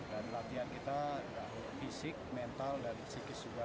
dan latihan kita fisik mental dan psikis juga